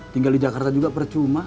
tinggal di jakarta juga percuma